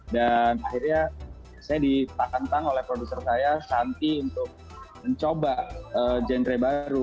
dan akhirnya saya ditakang takang oleh produser saya shanti untuk mencoba genre baru